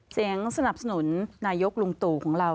สนับสนุนนายกลุงตู่ของเรา